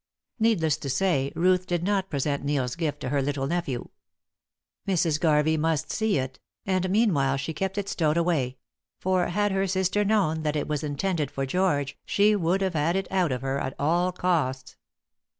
Needless to say, Ruth did not present Neil's gift to her little nephew. Mrs. Garvey must see it; and meanwhile she kept it stowed away; for had her sister known that it was intended for George, she would have had it out of her at all costs.